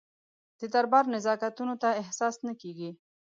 د دربار نزاکتونه ته احساس نه کېږي.